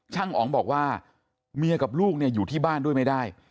อ๋องบอกว่าเมียกับลูกอยู่ที่บ้านด้วยไม่ได้